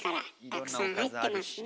たくさん入ってますね。